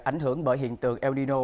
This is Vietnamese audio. ảnh hưởng bởi hiện tượng el nino